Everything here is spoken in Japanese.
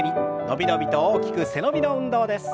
伸び伸びと大きく背伸びの運動です。